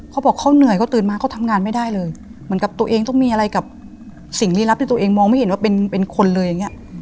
เขาบอกเขาเหนื่อยเขาตื่นมาเขาทำงานไม่ได้เลยเหมือนกับตัวเองต้องมีอะไรกับสิ่งลี้ลับที่ตัวเองมองไม่เห็นว่าเป็นคนเลยอย่างเงี้ย